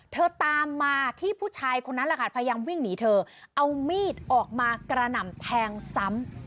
ตามมาที่ผู้ชายคนนั้นแหละค่ะพยายามวิ่งหนีเธอเอามีดออกมากระหน่ำแทงซ้ำ